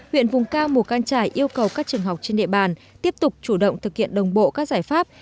huyện vùng cao mù căng trải yêu cầu các trường học trên địa bàn tiếp tục chủ động thực hiện đồng bộ các giải pháp